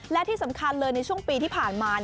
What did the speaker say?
และที่สำคัญเลยในช่วงปีที่ผ่านมา